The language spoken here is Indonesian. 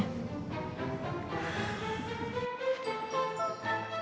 kenapa gak jadi pulang